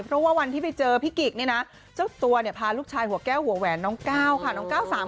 เพราะว่าวันที่ไปเจอพี่กิกเนี่ยนะเจ้าตัวเนี่ยพาลูกชายหัวแก้วหัวแหวนน้องก้าวค่ะ